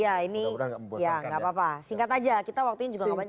ya ini ya nggak apa apa singkat aja kita waktunya juga nggak banyak